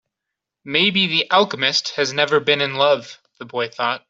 Maybe the alchemist has never been in love, the boy thought.